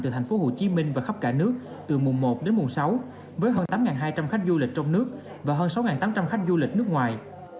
từ mùng một đến mùng sáu với hơn tám hai trăm linh khách du lịch trong nước và hơn sáu tám trăm linh khách du lịch nước ngoài